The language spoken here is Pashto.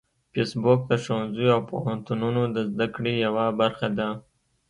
فېسبوک د ښوونځیو او پوهنتونونو د زده کړې یوه برخه ده